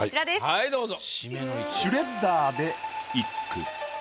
はいどうぞ。